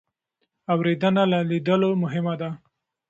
اورېدنه له لیدلو مهمه ده.